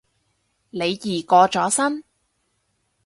李怡過咗身